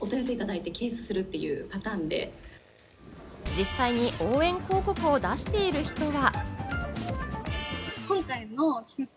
実際に応援広告を出している人は。